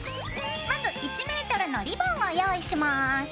まず１ｍのリボンを用意します。